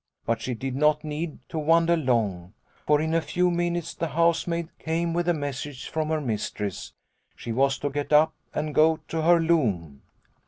But she did not need to wonder long, for in a few minutes the house maid came with a message from her mistress ; she was to get up and go to her loom.